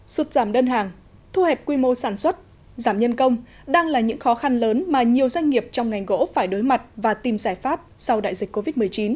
sụt giảm đơn hàng thu hẹp quy mô sản xuất giảm nhân công đang là những khó khăn lớn mà nhiều doanh nghiệp trong ngành gỗ phải đối mặt và tìm giải pháp sau đại dịch covid một mươi chín